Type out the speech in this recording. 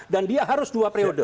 dan dia harus dua periode